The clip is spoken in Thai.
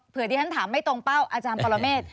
เพื่อที่ฉันถามไม่ตรงเป้าอาจารย์ปรเมฆ